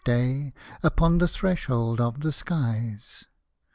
Day, Upon the threshold of the skies.